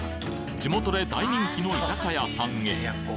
地元で大人気の居酒屋さんへ